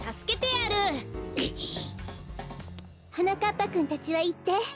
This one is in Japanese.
はなかっぱくんたちはいって。